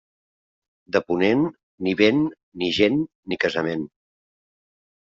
De ponent, ni vent, ni gent, ni casament.